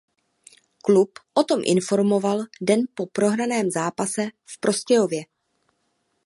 Klub o tom informoval den po prohraném zápase v Prostějově.